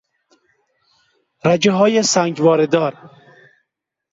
رگههای سنگوارهدار